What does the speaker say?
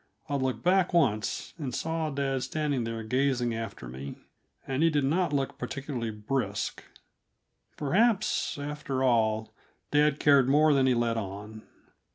I looked back once, and saw dad standing there gazing after me and he did not look particularly brisk. Perhaps, after all, dad cared more than he let on.